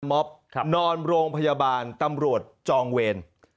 มอบนอนโรงพยาบาลตำรวจจองเวร